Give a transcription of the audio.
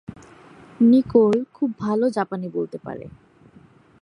Nicole খুব ভালো জাপানী বলতে পারে।